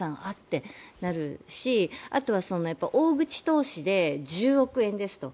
てなるしあとは大口投資で１０億円ですと。